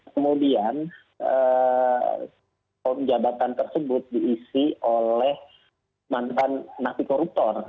kemudian jabatan tersebut diisi oleh mantan napi koruptor